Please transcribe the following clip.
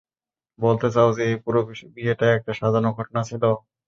বলতে চাও যে এই পুরো বিয়েটা একটা সাজানো ঘটনা ছিল?